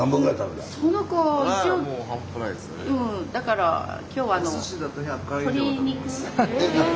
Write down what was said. だから今日は鶏肉。